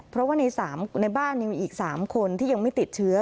เพราะว่าในบ้านยังมีอีก๓คนที่ยังไม่ติดเชื้อ